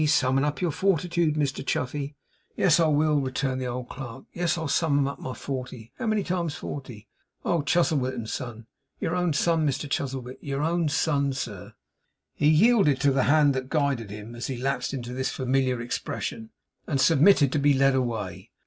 Summon up your fortitude, Mr Chuffey.' 'Yes, I will,' returned the old clerk. 'Yes. I'll sum up my forty How many times forty Oh, Chuzzlewit and Son Your own son Mr Chuzzlewit; your own son, sir!' He yielded to the hand that guided him, as he lapsed into this familiar expression, and submitted to be led away.